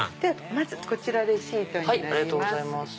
まずこちらレシートになります。